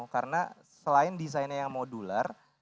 karena selain desainnya yang modular